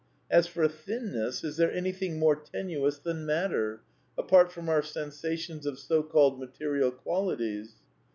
As for thinness, is there anything more tenuous than matter, apart from our sensations of so called material qualities